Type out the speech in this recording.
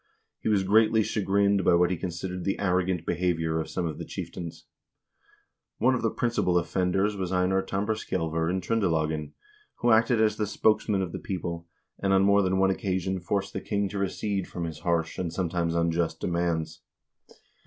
He was greatly chagrined by what he considered the arrogant behavior of some of the chieftains. One of the principal offenders was Einar Tambarskjaelver in Tr0ndelagen, who acted as the spokesman of the people, and on more than one occasion forced the king to recede from his harsh, and sometimes unjust, demands.